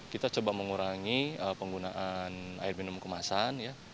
kita coba mengurangi penggunaan air minum kemasan